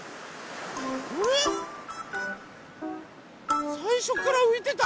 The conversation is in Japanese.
あれっ⁉さいしょからういてた？